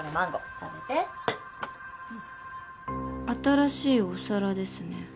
新しいお皿ですね。